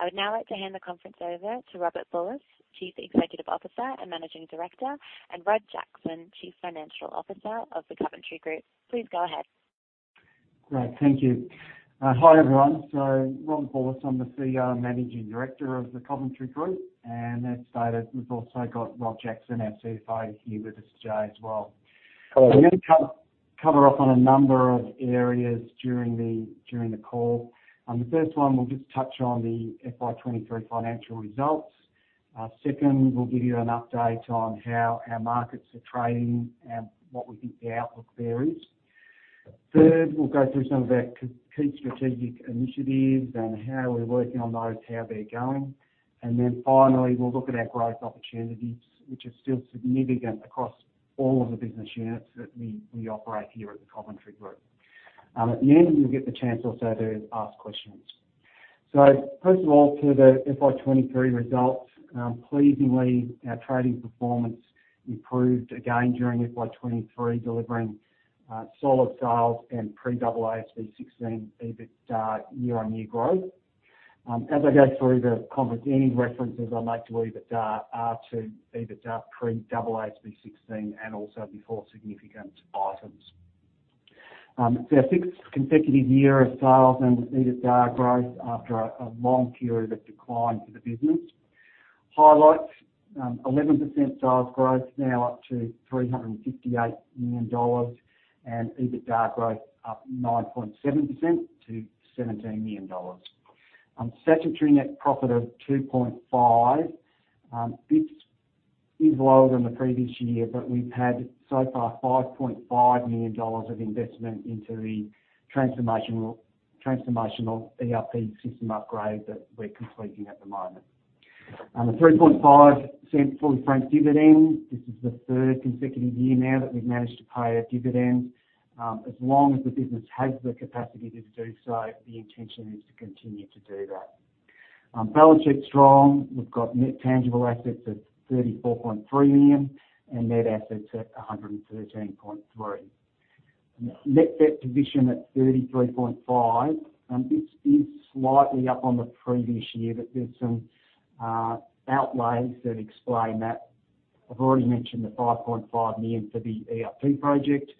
I would now like to hand the conference over to Robert Bulluss, Chief Executive Officer and Managing Director, and Rod Jackson, Chief Financial Officer of the Coventry Group. Please go ahead. Great. Thank you. Hi, everyone. So, Rob Bulluss, I'm the CEO and Managing Director of the Coventry Group, and as stated, we've also got Rod Jackson, our CFO, here with us today as well. Hello. We're gonna cover off on a number of areas during the call. The first one, we'll just touch on the FY23 financial results. Second, we'll give you an update on how our markets are trading and what we think the outlook there is. Third, we'll go through some of our key strategic initiatives and how we're working on those, how they're going. And then finally, we'll look at our growth opportunities, which are still significant across all of the business units that we operate here at the Coventry Group. At the end, you'll get the chance also to ask questions. So first of all, to the FY23 results, pleasingly, our trading performance improved again during FY23, delivering solid sales and pre-AASB 16 EBIT year-on-year growth. As I go through the conference, any references I make to EBITDA are to EBITDA pre-AASB 16 and also before significant items. It's our sixth consecutive year of sales and EBITDA growth after a long period of decline for the business. Highlights, 11% sales growth, now up to AUD 358 million, and EBITDA growth up 9.7% to AUD 17 million. Statutory net profit of 2.5 million, this is lower than the previous year, but we've had so far AUD 5.5 million of investment into the transformational ERP system upgrade that we're completing at the moment. The 0.035 fully franked dividend, this is the third consecutive year now that we've managed to pay a dividend. As long as the business has the capacity to do so, the intention is to continue to do that. Balance sheet's strong. We've got net tangible assets of 34.3 million and net assets at 113.3 million. Net debt position at 33.5 million, this is slightly up on the previous year, but there's some outlays that explain that. I've already mentioned the 5.5 million for the ERP project.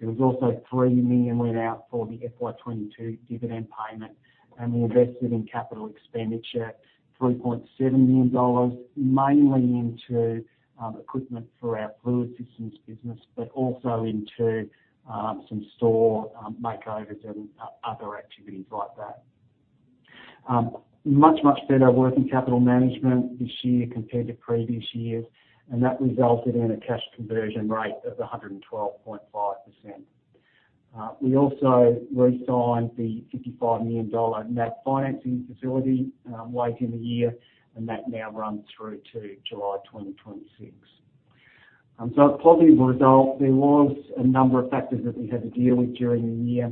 There was also 3 million went out for the FY 2022 dividend payment, and we invested in capital expenditure, 3.7 million dollars, mainly into equipment for our Fluid Systems business, but also into some store makeovers and other activities like that. Much, much better working capital management this year compared to previous years, and that resulted in a cash conversion rate of 112.5%. We also re-signed the 55 million dollar net financing facility late in the year, and that now runs through to July 2026. So a positive result, there was a number of factors that we had to deal with during the year.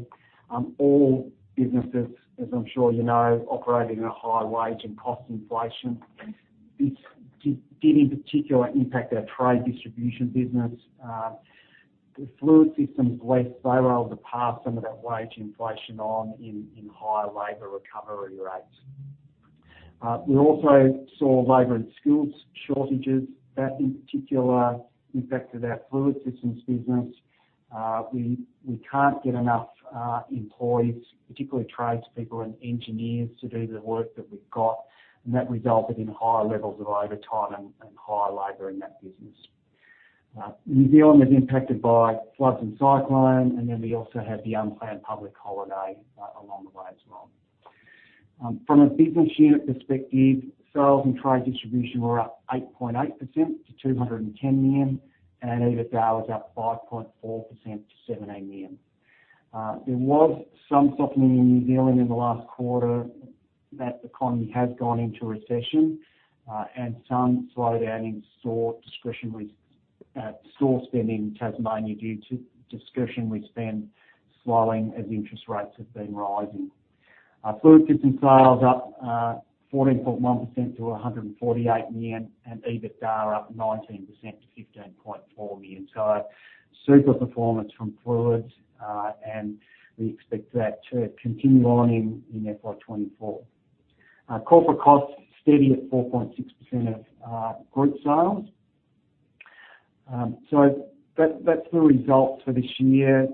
All businesses, as I'm sure you know, operating at high wage and cost inflation. This did in particular impact our Trade Distribution business. The Fluid Systems is less, they were able to pass some of that wage inflation on in higher labor recovery rates. We also saw labor and skills shortages. That in particular impacted our Fluid Systems business. We can't get enough employees, particularly tradespeople and engineers, to do the work that we've got, and that resulted in higher levels of overtime and higher labor in that business. New Zealand was impacted by floods and cyclone, and then we also had the unplanned public holiday along the way as well. From a business unit perspective, Sales in Trade Distribution were up 8.8% to 210 million, and EBITDA was up 5.4% to 17 million. There was some softening in New Zealand in the last quarter. That economy has gone into recession, and some slowdown in store, discretionary store spending in Tasmania due to discretionary spend slowing as interest rates have been rising. Our Fluid Systems sales up 14.1% to 148 million, and EBITDA up 19% to 15.4 million. So super performance from fluids, and we expect that to continue on in FY 2024. Corporate costs steady at 4.6% of group sales. So that, that's the results for this year.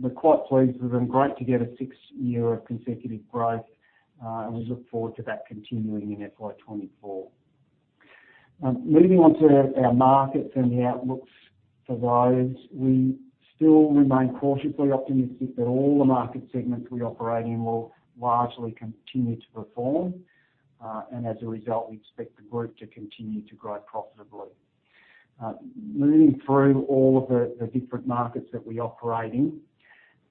We're quite pleased with them. Great to get a 6th year of consecutive growth, and we look forward to that continuing in FY 2024. Moving on to our markets and the outlooks for those, we still remain cautiously optimistic that all the market segments we operate in will largely continue to perform. And as a result, we expect the group to continue to grow profitably. Moving through all of the different markets that we operate in,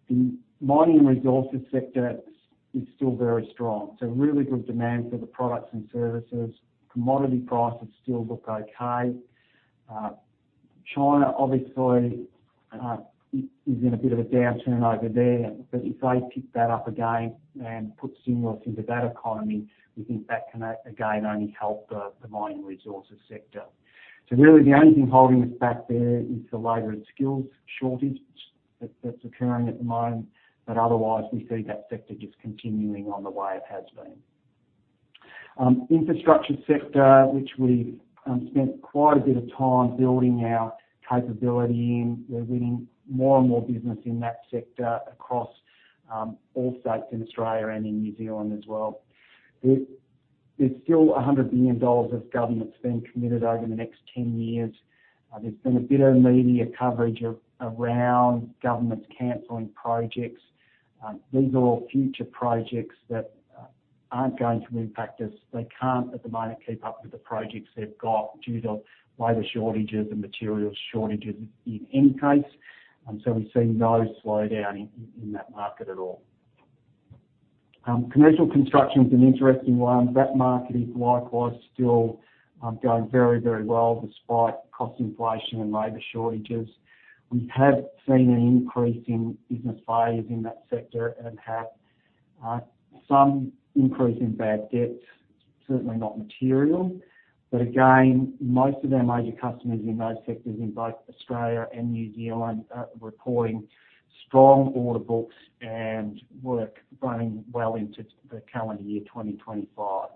the mining resources sector is still very strong. So really good demand for the products and services. Commodity prices still look okay. China obviously is in a bit of a downturn over there, but if they pick that up again and put stimulus into that economy, we think that can again only help the mining resources sector. So really the only thing holding us back there is the labor and skills shortage that's occurring at the moment. But otherwise, we see that sector just continuing on the way it has been. Infrastructure sector, which we've spent quite a bit of time building our capability in, we're winning more and more business in that sector across all states in Australia and in New Zealand as well. There's still 100 billion dollars of government spend committed over the next 10 years. There's been a bit of media coverage around governments canceling projects. These are all future projects that aren't going to impact us. They can't, at the moment, keep up with the projects they've got due to labor shortages and material shortages in any case, and so we see no slowdown in that market at all. Commercial construction is an interesting one. That market is likewise still going very, very well despite cost inflation and labor shortages. We have seen an increase in business failures in that sector and have some increase in bad debt, certainly not material. But again, most of our major customers in those sectors in both Australia and New Zealand are reporting strong order books and work going well into the calendar year 2025.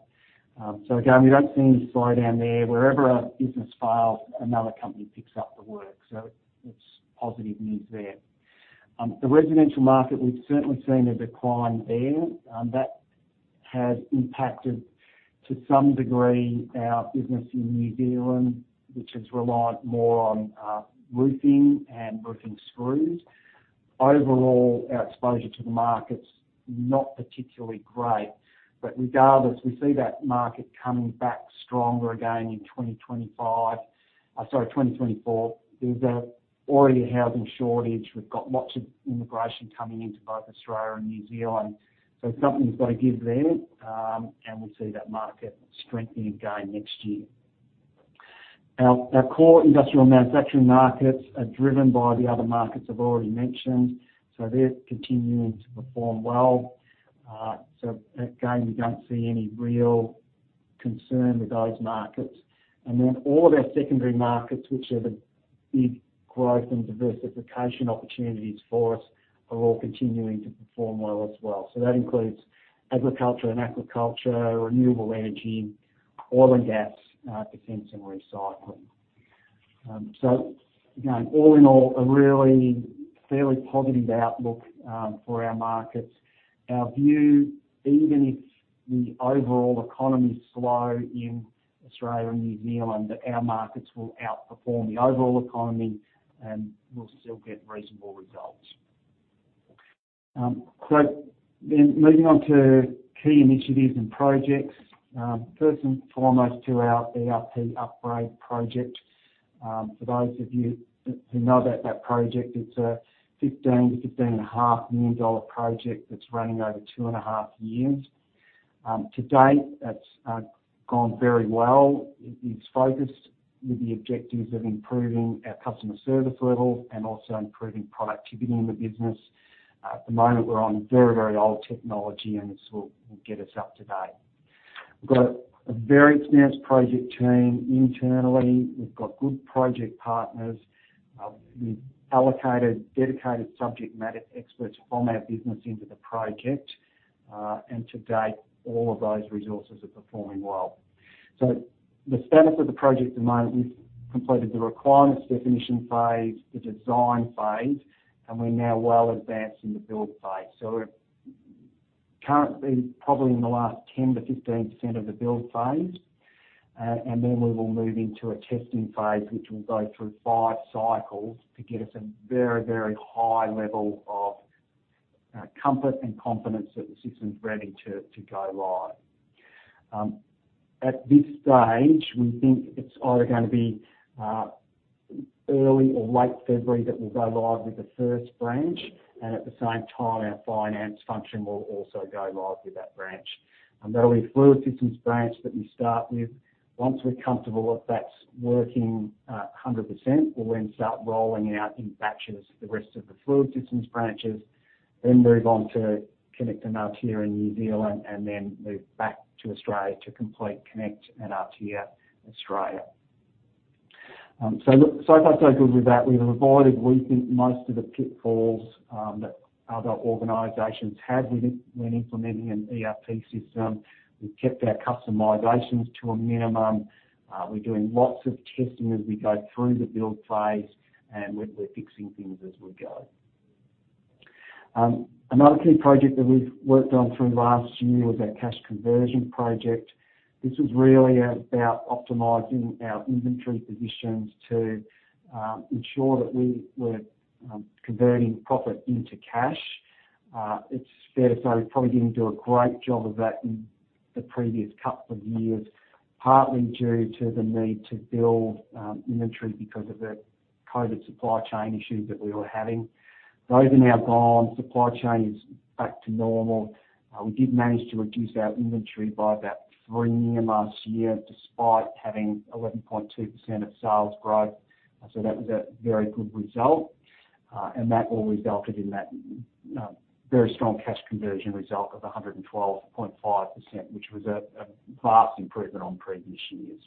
So again, we don't see any slowdown there. Wherever a business fails, another company picks up the work, so it's positive news there. The residential market, we've certainly seen a decline there. That has impacted, to some degree, our business in New Zealand, which has relied more on, roofing and roofing screws. Overall, our exposure to the market's not particularly great, but regardless, we see that market coming back stronger again in 2025, sorry, 2024. There's already a housing shortage. We've got lots of immigration coming into both Australia and New Zealand, so something's got to give there, and we see that market strengthening again next year. Our core industrial manufacturing markets are driven by the other markets I've already mentioned, so they're continuing to perform well. So again, we don't see any real concern with those markets. And then all of our secondary markets, which are the big growth and diversification opportunities for us, are all continuing to perform well as well. So that includes agriculture and aquaculture, renewable energy, oil and gas, defense and recycling. So again, all in all, a really fairly positive outlook for our markets. Our view, even if the overall economies slow in Australia and New Zealand, that our markets will outperform the overall economy, and we'll still get reasonable results. So then moving on to key initiatives and projects. First and foremost to our ERP upgrade project. For those of you that, who know about that project, it's a 15 million-15.5 million dollar project that's running over 2.5 years. To date, that's gone very well. It's focused with the objectives of improving our customer service level and also improving productivity in the business. At the moment, we're on very, very old technology, and this will get us up to date. We've got a very experienced project team internally. We've got good project partners. We've allocated dedicated subject matter experts from our business into the project, and to date, all of those resources are performing well. So the status of the project at the moment, we've completed the requirements definition phase, the design phase, and we're now well advanced in the build phase. So we're currently probably in the last 10%-15% of the build phase, and then we will move into a testing phase, which will go through 5 cycles to get us a very, very high level of comfort and confidence that the system's ready to go live. At this stage, we think it's either gonna be early or late February that we'll go live with the first branch, and at the same time, our finance function will also go live with that branch. And that'll be Fluid Systems branch that we start with. Once we're comfortable that that's working 100%, we'll then start rolling out in batches, the rest of the Fluid Systems branches, then move on to Konnect and Artia in New Zealand, and then move back to Australia to complete Konnect and Artia Australia. So look, so far, so good with that. We've avoided, we think, most of the pitfalls that other organizations have with when implementing an ERP system. We've kept our customizations to a minimum. We're doing lots of testing as we go through the build phase, and we're fixing things as we go. Another key project that we've worked on through last year was our cash conversion project. This was really about optimizing our inventory positions to ensure that we were converting profit into cash. It's fair to say we probably didn't do a great job of that in the previous couple of years, partly due to the need to build inventory because of the COVID supply chain issues that we were having. Those are now gone. Supply chain is back to normal. We did manage to reduce our inventory by about 3 million last year, despite having 11.2% sales growth. So that was a very good result. And that all resulted in that very strong cash conversion result of 112.5%, which was a vast improvement on previous years.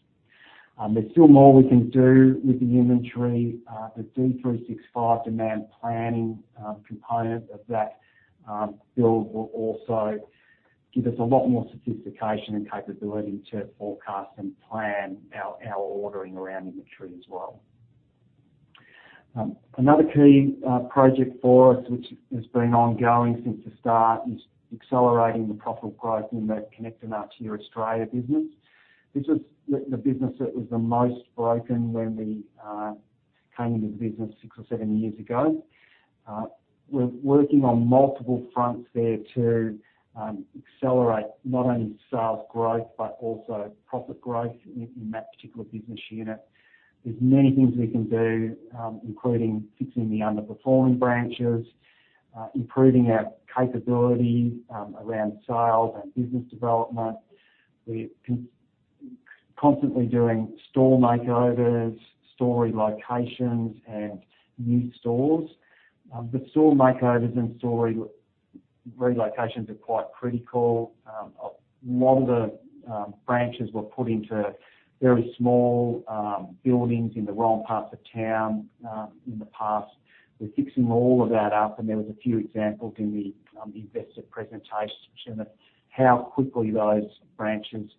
There's still more we can do with the inventory. The D365 demand planning component of that build will also give us a lot more sophistication and capability to forecast and plan our ordering around inventory as well. Another key project for us, which has been ongoing since the start, is accelerating the profit growth in the Konnect Australia business. This was the business that was the most broken when we came into the business six or seven years ago. We're working on multiple fronts there to accelerate not only sales growth, but also profit growth in that particular business unit. There's many things we can do, including fixing the underperforming branches, improving our capability around sales and business development. We're constantly doing store makeovers, store relocations, and new stores. The store makeovers and store relocations are quite critical. A lot of the branches were put into very small buildings in the wrong parts of town in the past. We're fixing all of that up, and there was a few examples in the investor presentation of how quickly those branches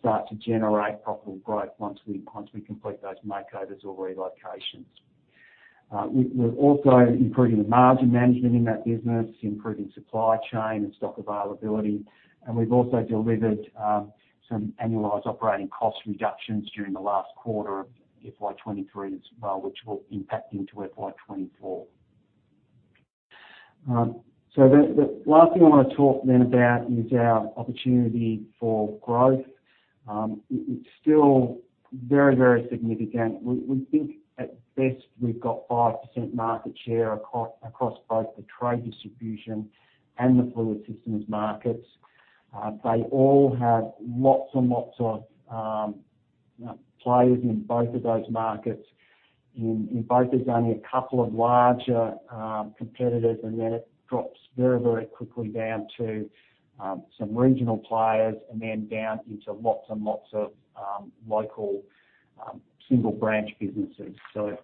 start to generate profit growth once we complete those makeovers or relocations. We're also improving the margin management in that business, improving supply chain and stock availability, and we've also delivered some annualized operating cost reductions during the last quarter of FY 2023, as well, which will impact into FY 2024. So the last thing I wanna talk then about is our opportunity for growth. It's still very, very significant. We think, at best, we've got 5% market share across both the trade distribution and the Fluid Systems markets. They all have lots and lots of players in both of those markets. In both, there's only a couple of larger competitors, and then it drops very, very quickly down to some regional players, and then down into lots and lots of local single-branch businesses. So,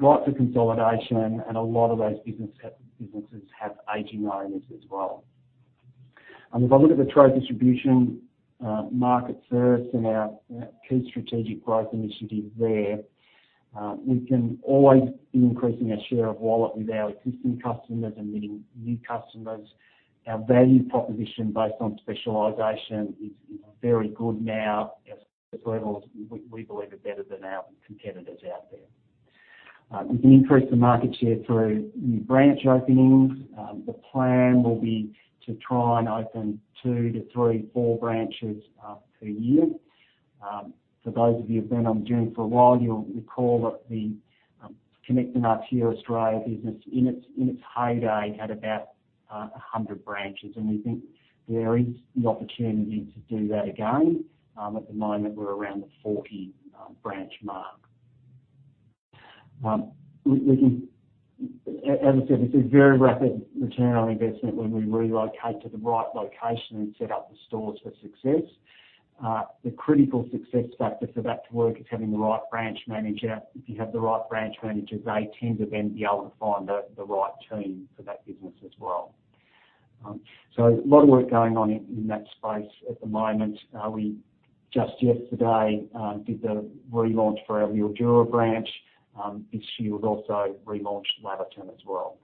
lots of consolidation and a lot of those businesses have aging owners as well. And if I look at the Trade Distribution market first and our key strategic growth initiatives there, we can always be increasing our share of wallet with our existing customers and winning new customers. Our value proposition, based on specialization, is very good now. Our service levels, we believe, are better than our competitors out there. We can increase the market share through new branch openings. The plan will be to try and open 2 to 3, 4 branches per year. For those of you who've been on June for a while, you'll recall that the Konnect Australia business, in its heyday, had about 100 branches, and we think there is the opportunity to do that again. At the moment, we're around the 40-branch mark. As I said, this is very rapid return on investment when we relocate to the right location and set up the stores for success. The critical success factor for that to work is having the right branch manager. If you have the right branch managers, they tend to then be able to find the right team for that business as well. So a lot of work going on in that space at the moment. We just yesterday did the relaunch for our Mildura branch. This year, we've also relaunched Latrobe as well.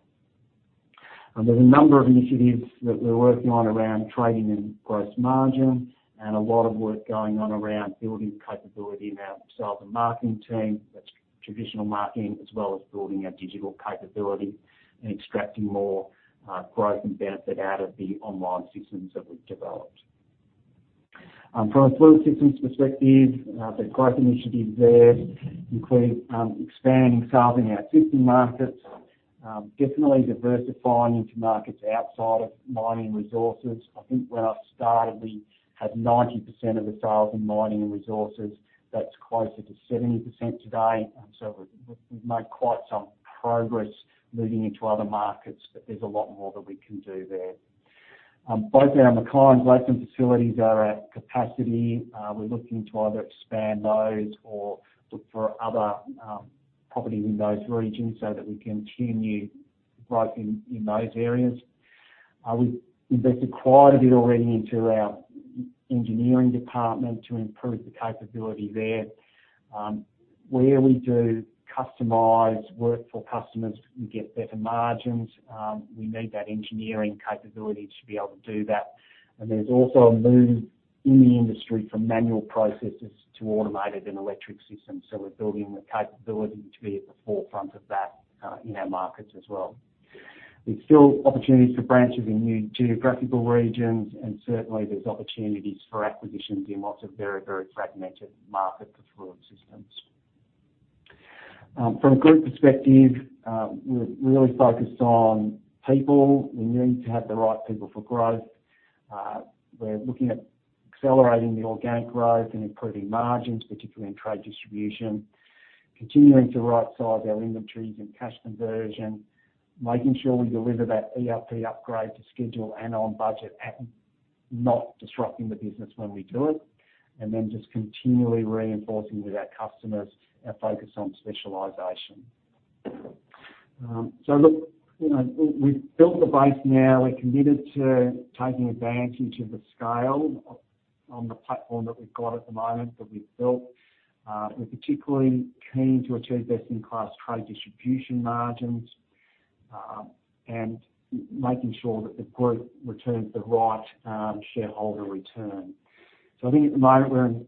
There's a number of initiatives that we're working on around trading and gross margin, and a lot of work going on around building capability in our sales and marketing team. That's traditional marketing, as well as building our digital capability and extracting more growth and benefit out of the online systems that we've developed. From a Fluid Systems perspective, the growth initiatives there include expanding sales in our existing markets, definitely diversifying into markets outside of mining resources. I think when I started, we had 90% of the sales in mining and resources. That's closer to 70% today, and so we've made quite some progress moving into other markets, but there's a lot more that we can do there. Both our Mackay and Redcliffe facilities are at capacity. We're looking to either expand those or look for other property in those regions so that we can continue growth in those areas. We've invested quite a bit already into our engineering department to improve the capability there. Where we do customized work for customers, we get better margins. We need that engineering capability to be able to do that, and there's also a move in the industry from manual processes to automated and electric systems, so we're building the capability to be at the forefront of that in our markets as well. There's still opportunities for branches in new geographical regions, and certainly, there's opportunities for acquisitions in lots of very, very fragmented markets for Fluid Systems. From a group perspective, we're really focused on people. We need to have the right people for growth. We're looking at accelerating the organic growth and improving margins, particularly in Trade Distribution, continuing to rightsize our inventories and cash conversion, making sure we deliver that ERP upgrade to schedule and on budget and not disrupting the business when we do it, and then just continually reinforcing with our customers our focus on specialization. So look, you know, we've built the base now. We're committed to taking advantage of the scale on the platform that we've got at the moment, that we've built. We're particularly keen to achieve best-in-class Trade Distribution margins, and making sure that the group returns the right shareholder return. So I think at the moment, we're in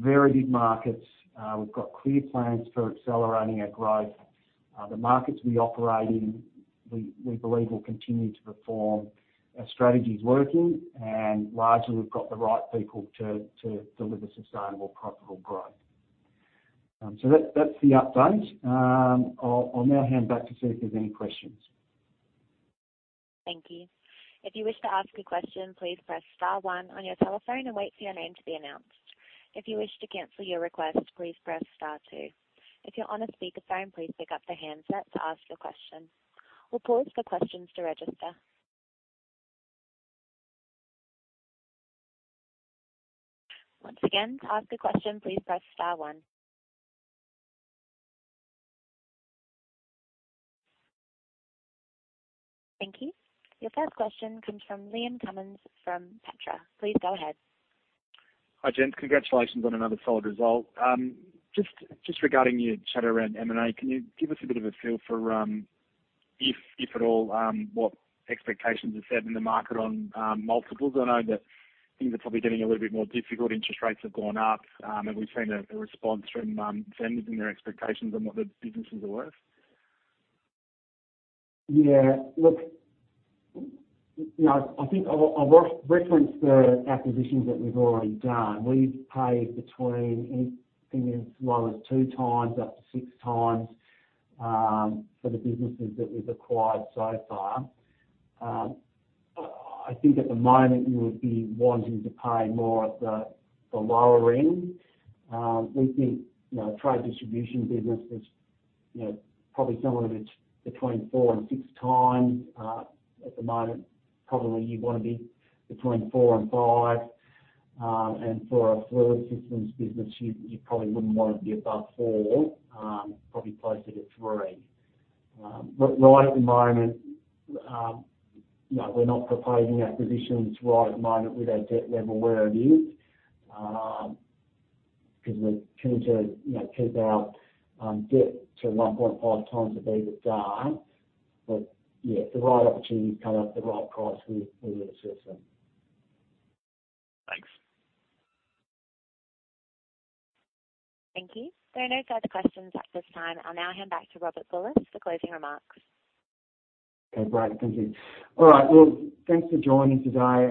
very big markets. We've got clear plans for accelerating our growth. The markets we operate in, we believe, will continue to perform. Our strategy is working, and largely we've got the right people to deliver sustainable, profitable growth. So that's the update. I'll now hand back to see if there's any questions. Thank you. If you wish to ask a question, please press star one on your telephone and wait for your name to be announced. If you wish to cancel your request, please press star two. If you're on a speakerphone, please pick up the handset to ask the question. We'll pause for questions to register. Once again, to ask a question, please press star one. Thank you. Your first question come`s from Liam Cummins, from Petra. Please go ahead. Hi, Rob. Congratulations on another solid result. Just, just regarding your chat around M&A, can you give us a bit of a feel for, if, if at all, what expectations are set in the market on, multiples? I know that things are probably getting a little bit more difficult. Interest rates have gone up, and we've seen a, a response from, vendors and their expectations on what the businesses are worth. Yeah, look, you know, I think I've referenced the acquisitions that we've already done. We've paid between anything as low as 2x, up to 6x, for the businesses that we've acquired so far. I think at the moment you would be wanting to pay more at the lower end. We think, you know, Trade Distribution business is, you know, probably somewhere between 4x and 6x. At the moment, probably you'd want to be between 4x and 5x. And for a Fluid Systems business, you probably wouldn't want to be above 4x, probably closer to 3x. But right at the moment, you know, we're not proposing acquisitions right at the moment with our debt level where it is, because we're keen to, you know, keep our debt to 1.5x EBITDA. But yeah, if the right opportunity come up at the right price, we will assess them. Thanks. Thank you. There are no further questions at this time. I'll now hand back to Robert Bulluss for closing remarks. Okay, great. Thank you. All right. Well, thanks for joining today.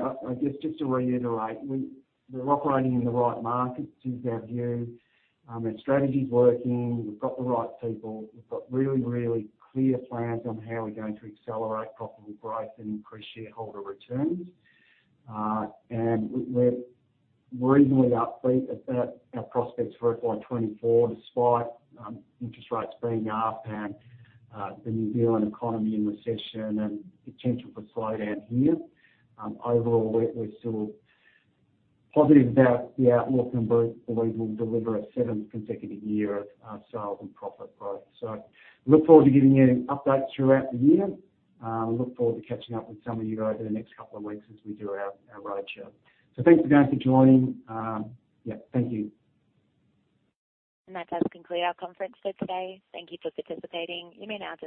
Just to reiterate, we're operating in the right markets is our view. Our strategy is working. We've got the right people. We've got really, really clear plans on how we're going to accelerate profitable growth and increase shareholder returns. And we're reasonably upbeat about our prospects for FY 2024, despite interest rates being up and the New Zealand economy in recession and the potential for slowdown here. Overall, we're still positive about the outlook, and we believe we'll deliver a seventh consecutive year of sales and profit growth. So look forward to giving you an update throughout the year. We look forward to catching up with some of you guys in the next couple of weeks as we do our roadshow. So thanks again for joining. Yeah, thank you. That does conclude our conference for today. Thank you for` participating. You may now disconnect.